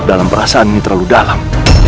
dan membuat wiltak